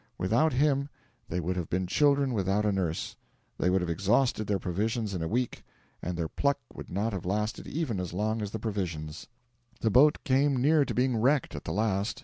Without him they would have been children without a nurse; they would have exhausted their provisions in a week, and their pluck would not have lasted even as long as the provisions. The boat came near to being wrecked at the last.